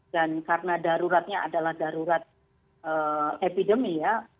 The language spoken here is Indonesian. dan karena daruratnya adalah darurat epidemi ya